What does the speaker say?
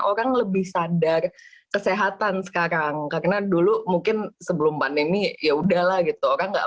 orang lebih sadar kesehatan sekarang karena dulu mungkin sebelum pandemi ya udahlah gitu orang nggak